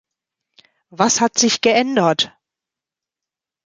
Was hat sich geändert?